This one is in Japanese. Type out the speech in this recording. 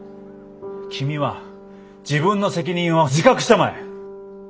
君は自分の責任を自覚したまえ！